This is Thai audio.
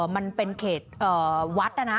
มันเป็นเขตวัดนะนะ